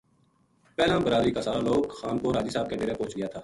پہلاں بلادری کا سارا لوک خان پور حاجی صاحب کے ڈیرے پوہچ گیا تھا